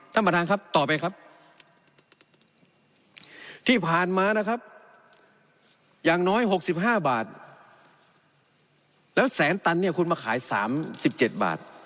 ต่อไปครับที่ผ่านมานะครับอย่างน้อย๖๕บาทแล้วแสนตันคุณมาขาย๓๗บาท